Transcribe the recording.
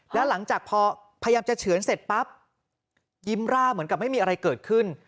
แล้วหลังจากพอพยายามจะเฉือนเสร็จปั๊บยิ้มร่าเหมือนกับไม่มีอะไรเกิดขึ้น